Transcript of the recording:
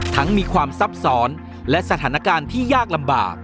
มีความซับซ้อนและสถานการณ์ที่ยากลำบาก